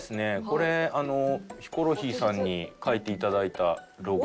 これヒコロヒーさんに描いて頂いたロゴ。